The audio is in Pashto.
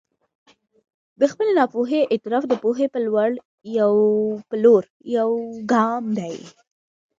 د خپلې ناپوهي اعتراف د پوهې په لور یو ګام دی.